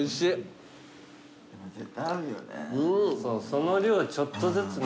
その量ちょっとずつね。